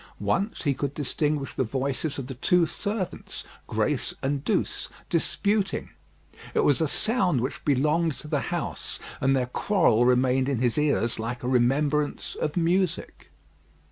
Once he could distinguish the voices of the two servants, Grace and Douce, disputing. It was a sound which belonged to the house, and their quarrel remained in his ears like a remembrance of music.